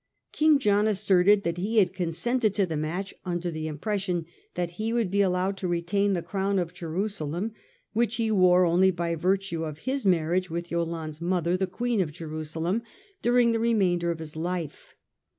King John asserted that he had consented to the match under the impression that he would be allowed to retain the crown of Jerusalem, which he wore only by virtue of his marriage with Yolande's mother, the Queen of Jerusalem, during the remainder of his life.